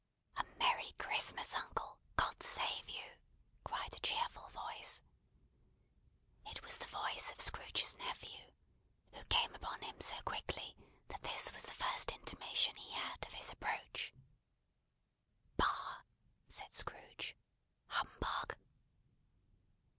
"A merry Christmas, uncle! God save you!" cried a cheerful voice. It was the voice of Scrooge's nephew, who came upon him so quickly that this was the first intimation he had of his approach. "Bah!" said Scrooge, "Humbug!"